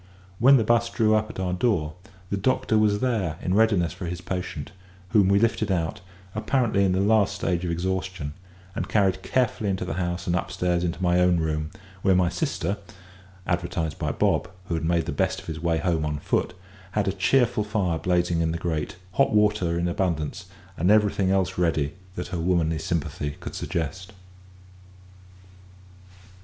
When the 'bus drew up at our door, the doctor was there in readiness for his patient, whom we lifted out, apparently in the last stage of exhaustion, and carried carefully into the house and upstairs into my own room, where my sister (advertised by Bob, who had made the best of his way home on foot) had a cheerful fire blazing in the grate, hot water in abundance, and everything else ready that her womanly sympathy could suggest.